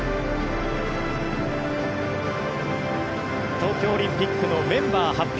東京オリンピックのメンバー発表